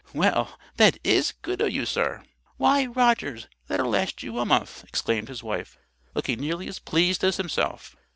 "Well, that IS good o' you, sir!" "Why, Rogers, that'll last you a month!" exclaimed his wife, looking nearly as pleased as himself.